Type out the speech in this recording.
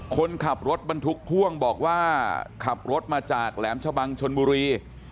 คนขับรถบรรทุกพ่วงบอกว่าขับรถมาจากแหลมชะบังชนบุรี